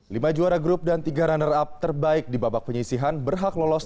lima juara grup dan tiga runner up terbaik di babak penyisihan berhak lolos